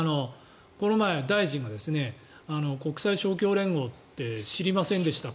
この前、大臣が国際勝共連合って知りませんでした